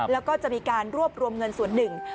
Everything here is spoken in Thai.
แล้วก็จะมีการรวบรวมเงินส่วนหนึ่ง